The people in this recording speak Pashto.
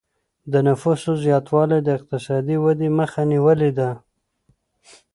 د نفوسو زياتوالی د اقتصادي ودي مخه نيولې ده.